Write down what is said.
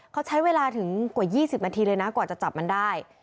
เขาใช้เวลาถึงกว่า๒๐นาทีเลยนะกว่าจะจับมันได้